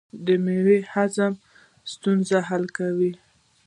دا مېوه د هاضمې ستونزې حل کوي.